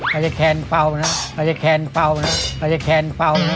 อัลิแคนถ์ฟาวน์เนาะ